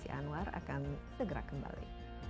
desi anwar akan segera kembali